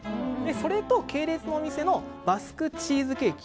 それと系列のお店のバスクチーズケーキ。